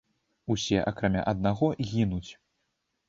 Усе, акрамя аднаго, гінуць.